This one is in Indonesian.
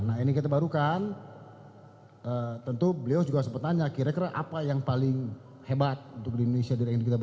nah ini kita barukan tentu beliau juga sempat tanya kira kira apa yang paling hebat untuk di indonesia